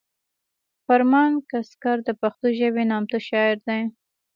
فرمان کسکر د پښتو ژبې نامتو شاعر دی